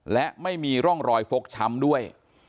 และไม่มีร่องรอยฟกช้ำด้วย